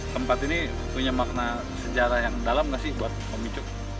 tempat ini punya makna sejarah yang dalam gak sih buat om icuk